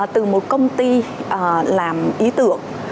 từ một công ty làm ý tưởng